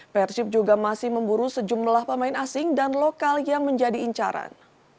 persib juga masih memburu sejumlah pemain asing dan lokal yang menjadi incaran